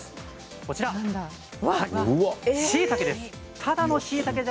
こちら、しいたけです。